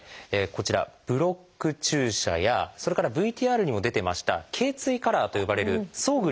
こちらブロック注射やそれからＶＴＲにも出てました「頚椎カラー」と呼ばれる装具による固定が。